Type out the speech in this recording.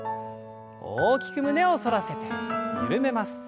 大きく胸を反らせて緩めます。